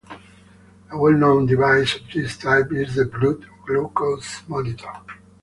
A well-known device of this type is the blood glucose monitor.